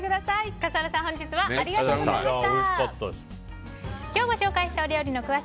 笠原さんありがとうございました。